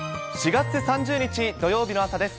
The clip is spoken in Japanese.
４月３０日土曜日の朝です。